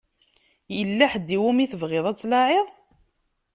Yella ḥedd i wumi tebɣiḍ ad tlaɛiḍ?